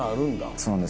そうなんですよ。